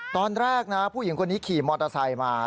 ตอนแรกนะผู้หญิงคนนี้ขี่มอเตอร์ไซค์มา